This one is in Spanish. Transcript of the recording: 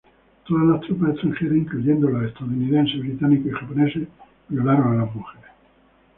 Todas las tropas extranjeras, incluyendo los estadounidenses, británicos y japoneses, violaron a las mujeres.